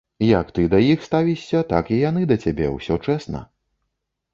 Як ты да іх ставішся, так і яны да цябе, усё чэсна.